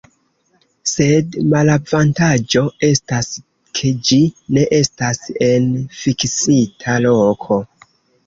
Sed malavantaĝo estas, ke ĝi ne estas en fiksita loko.